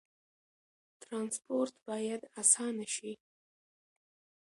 ترانسپورت باید اسانه شي.